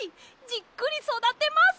じっくりそだてます！